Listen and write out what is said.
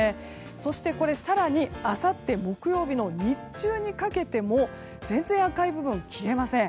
そして更にあさって木曜日の日中にかけても全然赤い部分、消えません。